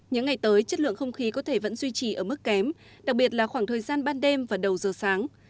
những ngày tới chất lượng không khí có thể vẫn duy trì ở mức kém đặc biệt là khoảng thời gian ban đêm và đầu giờ sáng